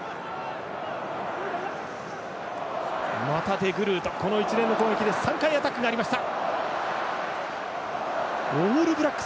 デグルート、この一連の攻撃で３回アタックがありました。